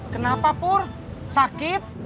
kenapa pur sakit